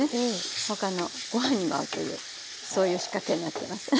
他のご飯にも合うというそういう仕掛けになってます。